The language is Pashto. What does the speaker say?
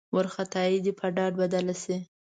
وارخطايي دې په ډاډ بدله شي.